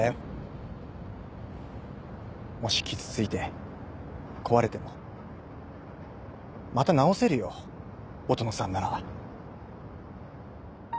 もし傷ついて壊れてもまた直せるよ音野さんなら。